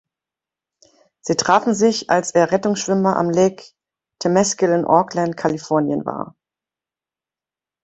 Sie trafen sich, als er Rettungsschwimmer am Lake Temescal in Oakland, Kalifornien, war.